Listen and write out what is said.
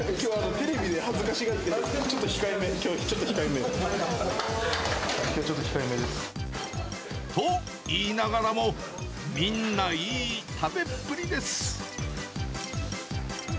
テレビで恥ずかしがって、ちょっときょう控えめ、きょうちょっと控えめ。と言いながらも、みんないい食べっぷりです。